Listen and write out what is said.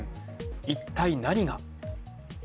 一体何が。